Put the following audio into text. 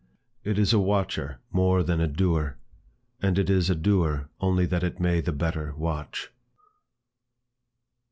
It is a watcher more than a doer, and it is a doer, only that it may the better watch.